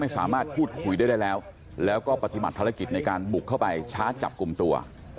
สามารถพูดคุยได้แล้วแล้วก็ปฏิบัติภารกิจในการบุกเข้าไปชาร์จจับกลุ่มตัว